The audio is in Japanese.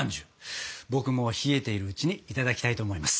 僕も冷えているうちにいただきたいと思います。